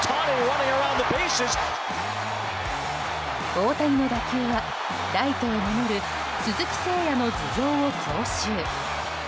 大谷の打球は、ライトを守る鈴木誠也の頭上を強襲。